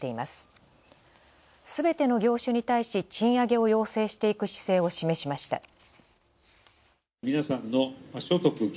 すべての業種に対し賃上げを要請していく姿勢を示しました。